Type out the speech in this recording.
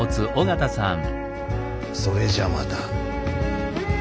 それじゃあまた。